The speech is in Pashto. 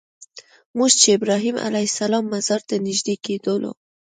موږ چې ابراهیم علیه السلام مزار ته نږدې کېدلو.